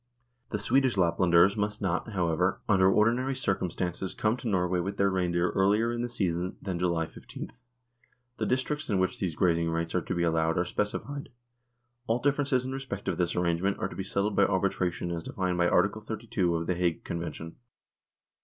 The Swedish Laplanders must not, however, under ordi nary circumstances come to Norway with their rein deer earlier in the season than June 15. The districts in which these grazing rights are to be allowed are specified. All differences in respect of this arrange ment are to be settled by arbitration as defined by Article 32 of The Hague Convention.